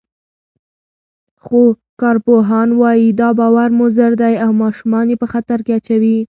خو کارپوهان وايي، دا باور مضر دی او ماشومان یې په خطر کې اچوي.